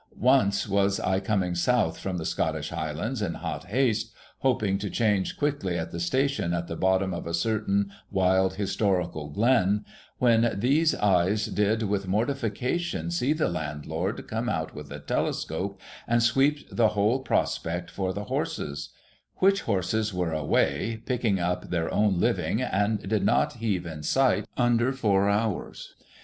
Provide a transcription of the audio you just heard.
Once was I coming south from the Scottish Highlands in hot haste, hoping to change quickly at the station at the bottom of a certain wild historical glen, when these eyes did with mortification see the landlord come out with a telescope and sweep the whole prospect for the horses ; which horses were away picking up their own living, and did not heave in sight under four hours.